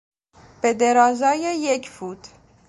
به درازای یک فوت